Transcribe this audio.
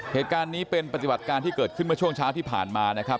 เหตุการณ์นี้เป็นปฏิบัติการที่เกิดขึ้นเมื่อช่วงเช้าที่ผ่านมานะครับ